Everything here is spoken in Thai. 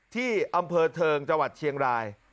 ที่อำเภอเทิงจังหวัดเชียงราย